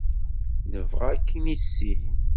Nebɣa ad k-nissin.